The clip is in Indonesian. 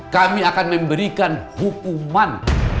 kami akan memberikan hukuman